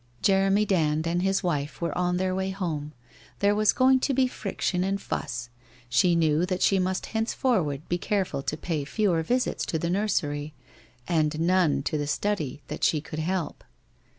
... Jeremy Dand and his wife were on their way home. There was going to be friction and fuss. She knew that she must henceforward be careful to pay fewer visits to the nursery, and none to the study that she could help.